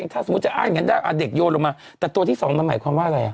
ถ้าสมมุติจะอ้างอย่างนั้นได้เด็กโยนลงมาแต่ตัวที่สองมันหมายความว่าอะไรอ่ะ